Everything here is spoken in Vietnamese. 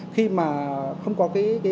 khi mà không có